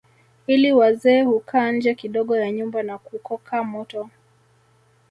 Ila wazee hukaa nje kidogo ya nyumba na kukoka moto